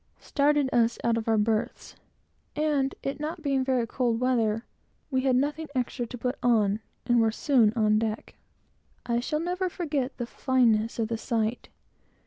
started us out of our berths; and, it not being very cold weather, we had nothing extra to put on, and were soon on deck. I shall never forget the fineness of the sight.